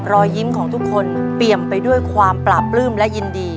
รอยยิ้มของทุกคนเปลี่ยนไปด้วยความปราบปลื้มและยินดี